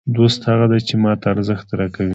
دوست هغه دئ، چي ما ته ارزښت راکوي.